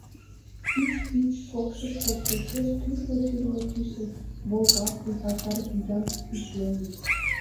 Пич-пич шокшышто, кечеш тӱрлӧ-тӱрлӧ тӱсын волгалтын, пазар виян гӱжлен.